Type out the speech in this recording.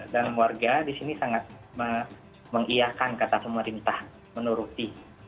dan warga disini sangat mengiyakan kata pemerintah menuruti